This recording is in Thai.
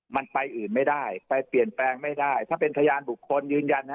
มันไปอื่นไม่ได้ไปเปลี่ยนแปลงไม่ได้ถ้าเป็นพยานบุคคลยืนยัน